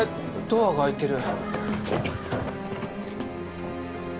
ドアが開いてる